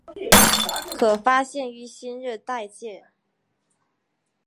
可发现于新热带界。